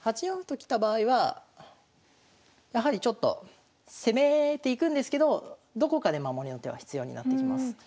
８四歩ときた場合はやはりちょっと攻めていくんですけどどこかで守りの手は必要になってきます。